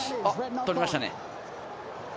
取りましたね。